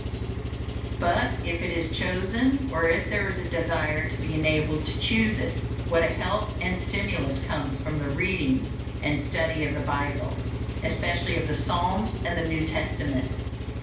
But if it is chosen, or if there is a desire to be enabled to choose it, what a help and stimulus comes from the reading and study of the Bible, especially of the Psalms and the New Testament!